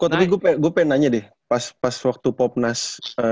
tapi gue pengen nanya deh pas waktu popnas